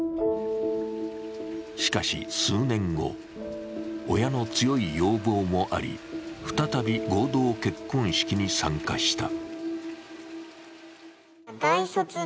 しかし数年後、親の強い要望もあり、再び合同結婚式に参加した。